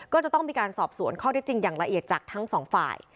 ก็จะต้องมีการสอบสวนข้อที่จริงอย่างละเอียดจากทั้งสองฝ่าย